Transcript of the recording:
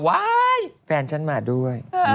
แฟนฉันมาด้วย